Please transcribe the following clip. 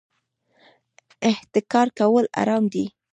احتکار کول حرام دي